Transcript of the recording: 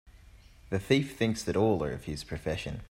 The thief thinks that all are of his profession.